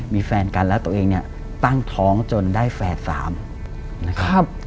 มีแฟนกันแล้วตัวเองเนี่ยตั้งท้องจนได้แฝดสามนะครับ